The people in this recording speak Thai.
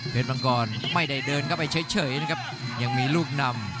เป็นมังกรไม่ได้เดินเข้าไปเฉยนะครับยังมีลูกนำ